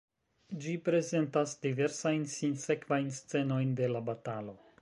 Ĝi prezentas diversajn sinsekvajn scenojn de la batalo.